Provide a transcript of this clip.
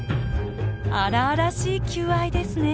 荒々しい求愛ですね。